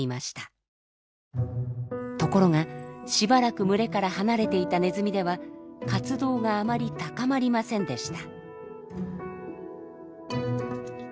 ところがしばらく群れから離れていたネズミでは活動があまり高まりませんでした。